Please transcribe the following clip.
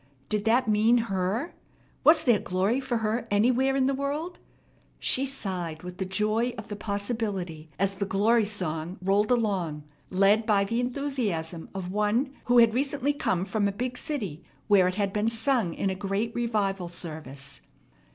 Did that mean her? Was there glory for her anywhere in the world? She sighed with the joy of the possibility, as the "Glory Song" rolled along, led by the enthusiasm of one who had recently come from a big city where it had been sung in a great revival service.